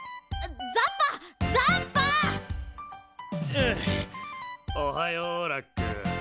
ああおはようラック。